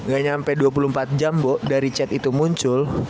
gak nyampe dua puluh empat jam bu dari chat itu muncul